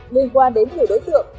liên quan đến nhiều đối tượng